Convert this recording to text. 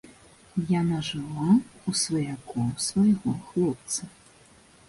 Яна жыла ў сваякоў свайго хлопца.